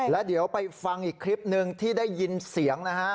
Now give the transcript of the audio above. แล้วเดี๋ยวไปฟังอีกคลิปหนึ่งที่ได้ยินเสียงนะฮะ